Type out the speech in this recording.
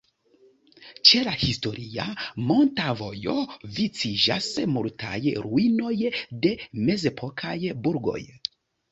Ĉe la historia "monta vojo" viciĝas multaj ruinoj de mezepokaj burgoj.